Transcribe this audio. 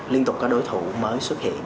liên tục có đối thủ mới xuất hiện